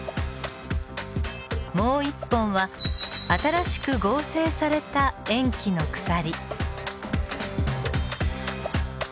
もう一本は新しく合成された塩基の鎖。